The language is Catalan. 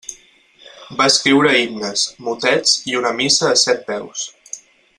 Va escriure himnes, motets i una missa a set veus.